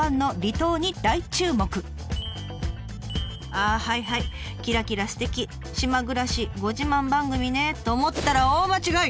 「ああはいはいキラキラすてき島暮らしご自慢番組ね」と思ったら大間違い！